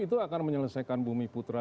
itu akan menyelesaikan bumi putra